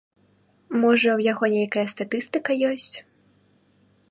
Можа, у яго нейкая статыстыка ёсць.